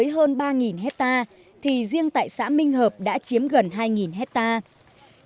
hơn ba hectare thì riêng tại xã minh hợp đã chiếm gần hai hectare